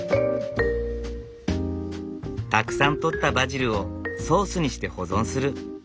たくさんとったバジルをソースにして保存する。